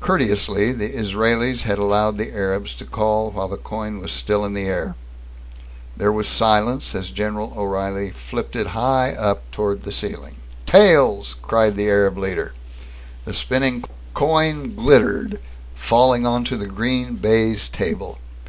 Courteously, the Israelis had allowed the Arabs to call while the coin was still in the air. There was silence as General O'Reilly flipped it high up towards the ceiling. "Tails!" cried the Arab leader. The spinning coin glittered, falling onto the green baize table.